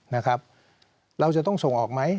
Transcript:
นะครับเราจะต้องส่งออกไหม